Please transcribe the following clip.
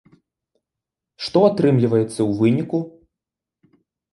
Што атрымліваецца ў выніку?